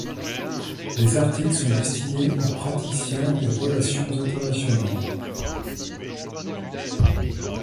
Les articles sont destinés aux praticiens des relations internationales.